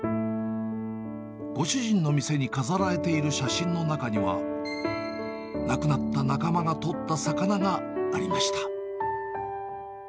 ご主人の店に飾られている写真の中には、亡くなった仲間が撮った魚がありました。